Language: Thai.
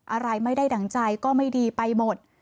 อะไรไม่ได้ดั่งใจก็ไม่ดีไปหมด